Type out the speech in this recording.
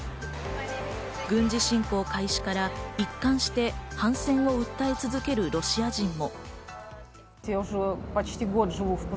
軍事侵攻開始から一貫して反戦を訴え続けるロシア人も。